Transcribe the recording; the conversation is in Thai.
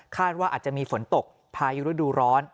ว่าอาจจะมีฝนตกพายุฤดูร้อน